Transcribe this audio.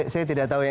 saya tidak tahu ya